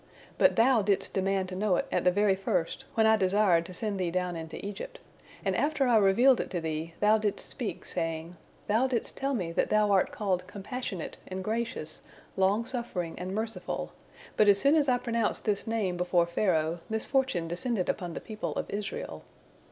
But thou didst demand to know it at the very first, when I desired to send thee down into Egypt, and after I revealed it to thee, thou didst speak, saying, 'Thou didst tell me that Thou art called Compassionate and Gracious, Longsuffering and Merciful, but as soon as I pronounced this Name before Pharaoh, misfortune descended upon the people of Israel.'